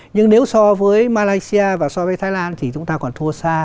nhưng nếu so với malaysia và so với thái lan thì chúng ta còn thua xa